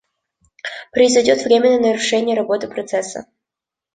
Произойдет временное нарушение работы процесса